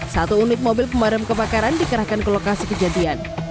satu unit mobil pemadam kebakaran dikerahkan ke lokasi kejadian